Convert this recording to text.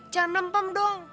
jangan lempem dong